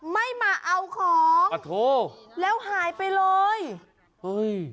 ไม่ไปเอาของแล้วหายไปเลย